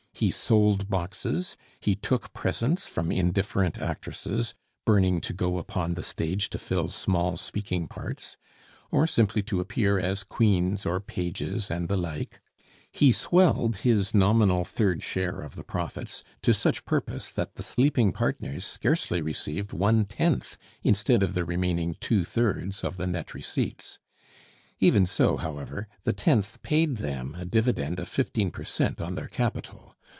He sold boxes, he took presents from indifferent actresses burning to go upon the stage to fill small speaking parts, or simply to appear as queens, or pages, and the like; he swelled his nominal third share of the profits to such purpose that the sleeping partners scarcely received one tenth instead of the remaining two thirds of the net receipts. Even so, however, the tenth paid them a dividend of fifteen per cent on their capital.